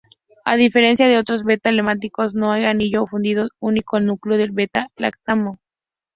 A diferencia de otros beta-lactámicos, no hay anillo fundido unido al núcleo del beta-lactamo.